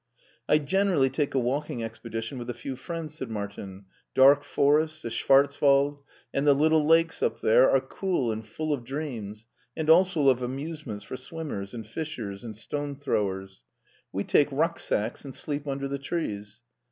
" I generally take a walking expedition with a few friends/' said Martin. " Dark forests, the Schwarz wald, and the little lakes up there are cool and full of dreams and also of amusements for swimmers and fishers and stone throwers. We take rucksacks and sleep under the trees.